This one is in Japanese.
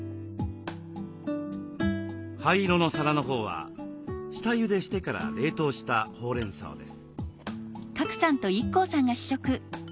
灰色の皿のほうは下ゆでしてから冷凍したほうれんそうです。